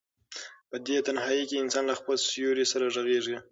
په دې تنهایۍ کې انسان له خپل سیوري سره غږېږي.